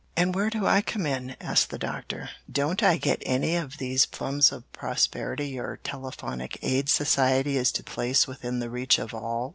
"And where do I come in?" asked the Doctor. "Don't I get any of these plums of prosperity your Telephonic Aid Society is to place within the reach of all?"